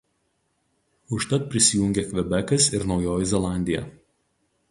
Užtat prisijungė Kvebekas ir Naujoji Zelandija.